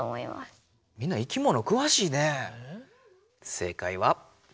正解は。